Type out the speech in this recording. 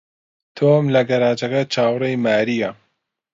تۆم لە گەراجەکە چاوەڕێی مارییە.